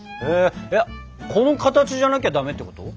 この形じゃなきゃダメってこと？